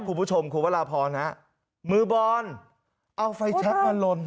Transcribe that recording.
คุณผู้ชมคุณวราพรนะมือบอลเอาไฟแชคมาลน